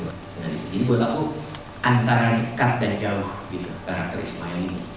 ini buat aku antara dekat dan jauh karakter ismail ini